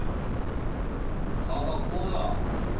あ学校だ！